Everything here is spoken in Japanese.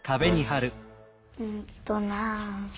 うんとな。